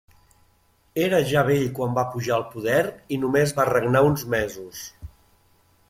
Era ja vell quan va pujar al poder i només va regnar uns mesos.